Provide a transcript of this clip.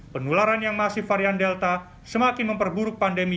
penularan yang masih varian delta semakin memperburuk pandemi